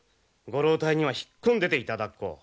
ご老体には引っ込んでていただこう。